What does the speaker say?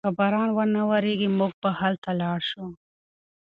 که باران و نه وریږي موږ به هلته لاړ شو.